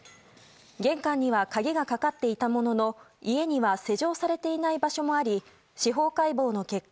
玄関には鍵がかかっていたものの家には施錠されていない場所もあり司法解剖の結果